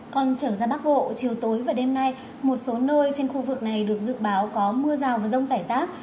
còn trở ra bắc bộ chiều tối và đêm nay một số nơi trên khu vực này được dự báo có mưa rào và rông rải rác